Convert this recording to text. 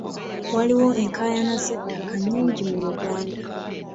Waliwo enkaayana z'ettaka nnyingi mu Uganda.